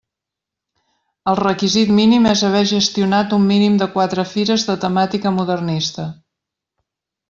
El requisit mínim és haver gestionat un mínim de quatre fires de temàtica modernista.